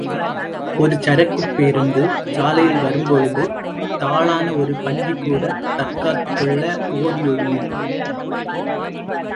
ஒரு சரக்குப் பேருந்து சாலையில் வரும்பொழுது தாழான ஒரு பன்றிகூடத் தற்காத்துக் கொள்ள ஒடி ஒளியும்.